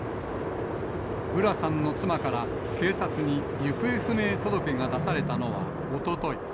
浦さんの妻から、警察に行方不明届が出されたのは、おととい。